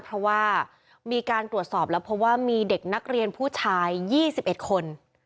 เพราะว่ามีการตรวจสอบแล้วเพราะว่ามีเด็กนักเรียนผู้ชาย๒๑คน